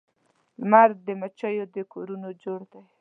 لمر د مچېو د کورونو جوړ دی